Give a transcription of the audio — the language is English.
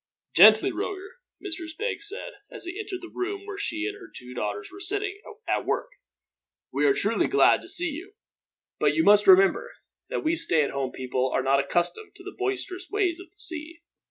"Gently, Roger," Mistress Beggs said, as he entered the room where she and her two daughters were sitting, at work. "We are truly glad to see you, but you must remember that we stay at home people are not accustomed to the boisterous ways of the sea."